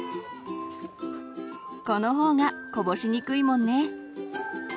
この方がこぼしにくいもんね。